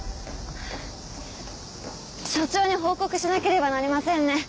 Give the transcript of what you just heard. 署長に報告しなければなりませんね。